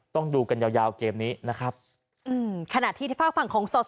ต้องดูกันยาวยาวเกมนี้นะครับอืมขณะที่ที่ฝากฝั่งของสอสอ